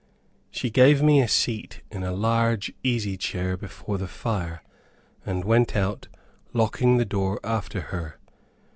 She gave me a seat in a large easy chair before the fire, and went out, locking the door after her.